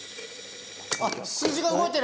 数字が動いてる！